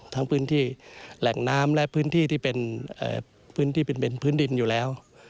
ทั้งพื้นที่แหล่งน้ำและพื้นที่ที่เป็นพื้นดินอยู่แล้ว